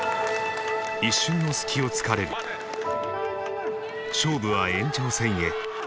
一瞬の隙をつかれる勝負は延長戦へ。